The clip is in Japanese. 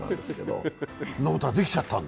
そんなことができちゃったんだ。